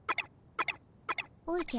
おじゃ。